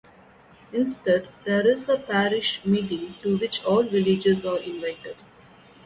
Instead, there is a parish meeting to which all villagers are invited.